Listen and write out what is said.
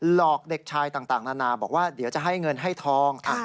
หลอกเด็กชายต่างนานาบอกว่าเดี๋ยวจะให้เงินให้ทอง